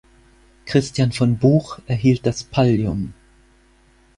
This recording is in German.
Christian von Buch erhielt das Pallium.